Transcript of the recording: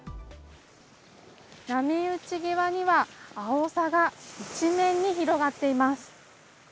波打ち際には、アオサが一面に広がっています。